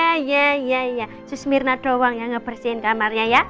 oh ya ya ya susmirna doang yang ngebersihin kamarnya ya